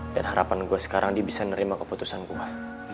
dan harapan gue sekarang dia bisa nerima keputusan gue